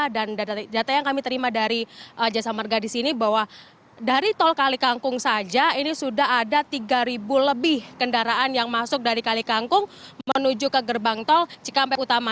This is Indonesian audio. dan data yang kami terima dari jasa merga di sini bahwa dari tol kalikangkung saja ini sudah ada tiga lebih kendaraan yang masuk dari kalikangkung menuju ke gerbang tol cikampek utama